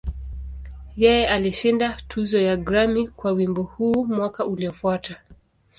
Yeye alishinda tuzo ya Grammy kwa wimbo huu mwaka uliofuata.